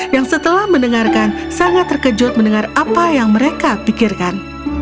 yang setelah mendengarkan sangat terkejut mendengar apa yang mereka pikirkan